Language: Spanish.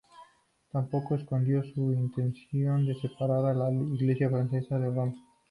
Tampoco escondió sus intenciones de separar a la Iglesia Francesa de Roma.